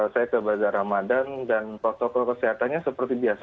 saya ke bazar ramadan dan protokol kesehatannya seperti biasa